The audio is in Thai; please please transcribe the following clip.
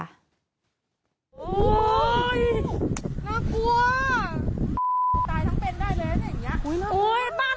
น่ากลัวกดีนะตายทั้งแปนได้เลยแน่อย่างเงี้ย